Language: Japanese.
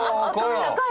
赤い！